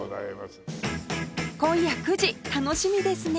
今夜９時楽しみですね